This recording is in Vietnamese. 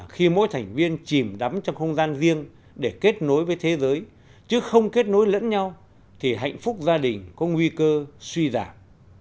khi mỗi thành viên chìm đắm trong không gian riêng để kết nối với thế giới chứ không kết nối lẫn nhau thì hạnh phúc gia đình có nguy cơ suy giảm